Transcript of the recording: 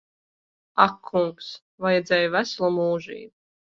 Ak kungs. Vajadzēja veselu mūžību.